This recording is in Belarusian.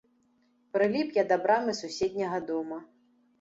Прыліп я да брамы суседняга дома.